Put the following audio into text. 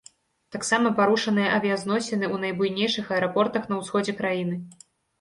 Таксама парушаныя авіязносіны ў найбуйнейшых аэрапортах на ўсходзе краіны.